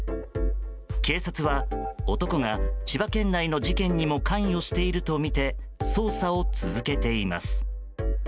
警察は男が千葉県内の事件にも関与しているとみて捜査を続けています。